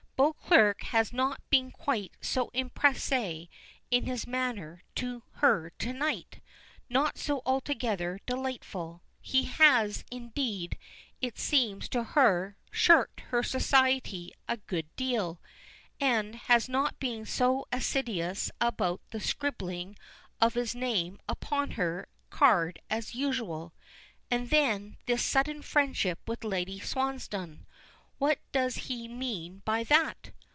Beauclerk has not been quite so empressé in his manner to her to night not so altogether delightful. He has, indeed, it seems to her, shirked her society a good deal, and has not been so assiduous about the scribbling of his name upon her card as usual. And then this sudden friendship with Lady Swansdown what does he mean by that?